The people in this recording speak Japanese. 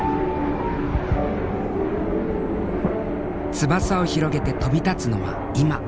翼を広げて飛び立つのは「今」。